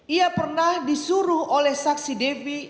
ia pernah disuruh oleh saksi devi